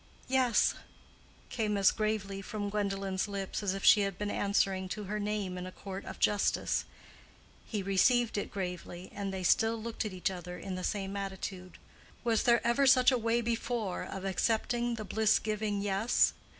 "Yes," came as gravely from Gwendolen's lips as if she had been answering to her name in a court of justice. He received it gravely, and they still looked at each other in the same attitude. Was there ever such a way before of accepting the bliss giving "Yes"?